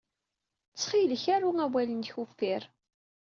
Ttxil-k, aru awal-nnek uffir.